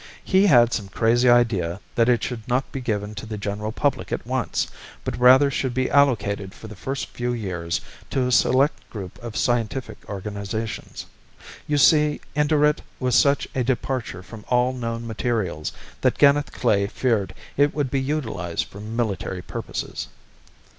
He had some crazy idea that it should not be given to the general public at once, but rather should be allocated for the first few years to a select group of scientific organizations. You see, Indurate was such a departure from all known materials that Ganeth Klae feared it would be utilized for military purposes.